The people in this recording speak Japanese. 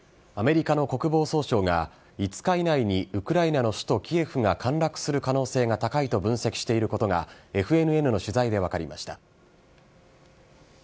アメリカの国防総省が、５日以内にウクライナの首都キエフが陥落する可能性が高いと分析していることが、ＦＮＮの取材で分かりました。